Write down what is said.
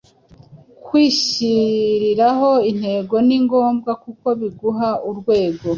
Kwihyiriraho intego ni ngombwa kuko biguha urwego